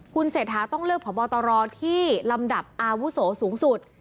คุณเศรษฐาต้องเลือกพบตรที่ลำดับอาวุโสสูงสุด